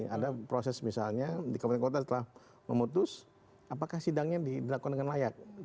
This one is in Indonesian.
ada proses misalnya di kabupaten kota setelah memutus apakah sidangnya dilakukan dengan layak